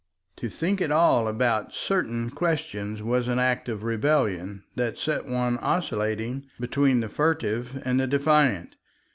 To think at all about certain questions was an act of rebellion that set one oscillating between the furtive and the defiant.